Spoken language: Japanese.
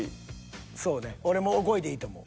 そうね俺も５位でいいと思う。